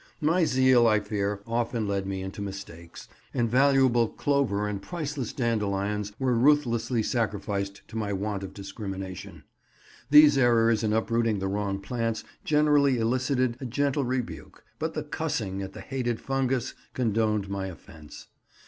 My zeal, I fear, often led me into mistakes, and valuable clover and priceless dandelions were ruthlessly sacrificed to my want of discrimination. These errors in uprooting the wrong plants generally elicited a gentle rebuke, but the "cussing" at the hated fungus condoned my offence.